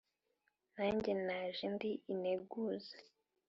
nanjye naje ndi integuza